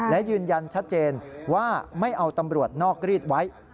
และยืนยันชัดเจนว่าไม่เอาตำรวจนอกรีดไว้